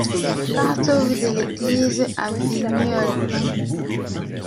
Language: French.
quatre rue de l'Église A Vigneulles